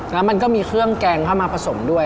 แล้วมันก็มีเครื่องแกงเข้ามาผสมด้วย